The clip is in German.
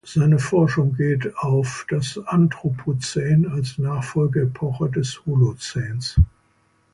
Seine Forschung geht auf das Anthropozän als Nachfolgeepoche des Holozäns.